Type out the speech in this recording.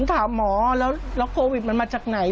ถามหมอแล้วโควิดมันมาจากไหน